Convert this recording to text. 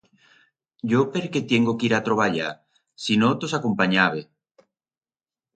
Yo perque tiengo que ir a troballar, si no tos acompanyabe.